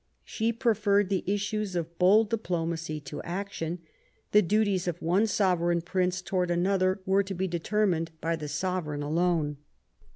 She preferred the issues of bold diplomacy to action. The duties of one Sovereign Prince to wards another were to be determined by the Sovereign alone.